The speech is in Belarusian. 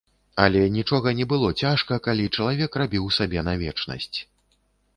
Але нічога не было цяжка, калі чалавек рабіў сабе на вечнасць.